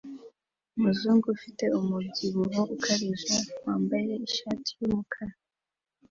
Umuzungu ufite umubyibuho ukabije wambaye ishati yumukara